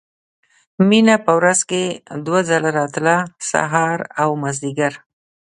مينه په ورځ کښې دوه ځله راتله سهار او مازديګر.